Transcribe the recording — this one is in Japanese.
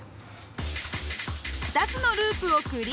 ２つのループをクリア。